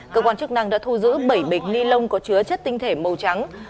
cơ quan chức năng đã thu giữ bảy bịch ni lông có chứa chất tinh thể màu trắng